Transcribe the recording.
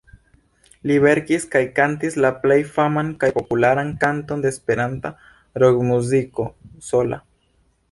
Li verkis kaj kantis la plej faman kaj popularan kanton de esperanta rokmuziko: 'Sola'.